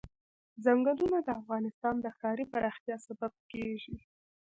ځنګلونه د افغانستان د ښاري پراختیا سبب کېږي.